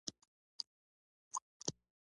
کله چې راپاڅېدم یو څه ستومانه وم، لږ نا ارامه وم.